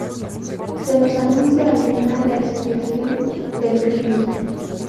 Se nos anuncia al final la expiación del crimen.